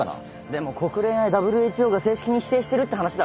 でも国連やＷＨＯが正式に否定してるって話だろ。